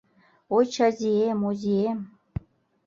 Ой, Чазиэм, Озиэм!